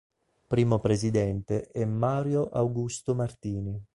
Primo presidente è Mario Augusto Martini.